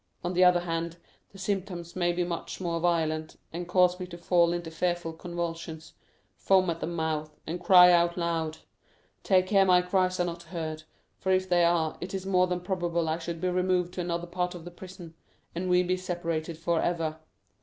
On the other hand, the symptoms may be much more violent, and cause me to fall into fearful convulsions, foam at the mouth, and cry out loudly. Take care my cries are not heard, for if they are it is more than probable I should be removed to another part of the prison, and we be separated forever.